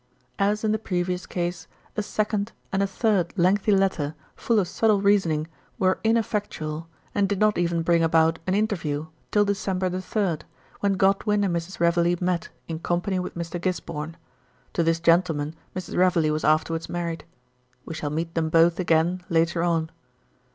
As in the previous case, a second and a third lengthy letter, full of subtle reasoning, were ineffectual, and did not even bring about an interview till December 3rd, when Godwin and Mrs. Reveley met, in company with Mr. Gisborne. To this gentle man Mrs. Reveley was afterwards married. We shall meet them both again later on.